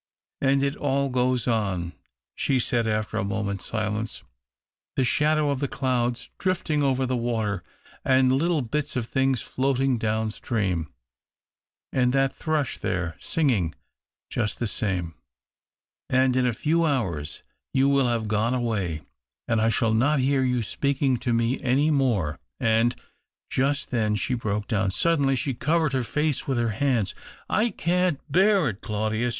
" And it all goes on," she said after a moment's silence, " the shadow of the clouds drifting over the water, and little bits of things floating down stream, and that thrush there singing — ^just the same. And — in a few hours you will have gone away, and I shall not hear you speaking to me any more, and " Just then she broke down. Suddenly she covered her face with her hands —" I can't bear it, Claudius